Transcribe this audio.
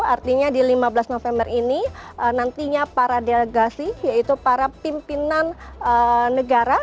artinya di lima belas november ini nantinya para delegasi yaitu para pimpinan negara